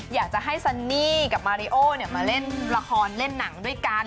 อยากจะให้ซันนี่กับมาริโอมาเล่นละครเล่นหนังด้วยกัน